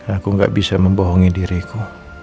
aku gak bisa membohongi diriku